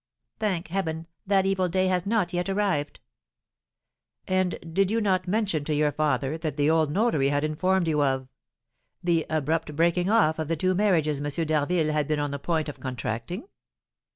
Thank Heaven, that evil day has not yet arrived!" "And did you not mention to your father what the old notary had informed you of, the abrupt breaking off of the two marriages M. d'Harville had been on the point of contracting?"